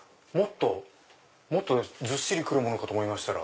もっとずっしりくるものかと思いましたら。